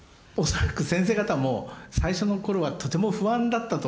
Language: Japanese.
恐らく先生方も最初の頃はとても不安だったと思うんです。